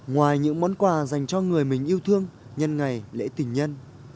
ngoài những món quà dành cho người mình yêu thương nhân ngày lễ tình nhân